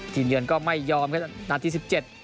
เยือนก็ไม่ยอมครับนาทีสิบเจ็ด